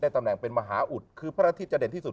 ตำแหน่งเป็นมหาอุดคือพระอาทิตย์จะเด่นที่สุด